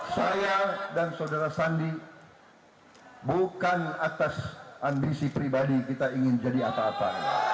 saya dan saudara sandi bukan atas ambisi pribadi kita ingin jadi apa apa